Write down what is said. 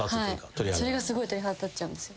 それがすごい鳥肌立っちゃうんですよ。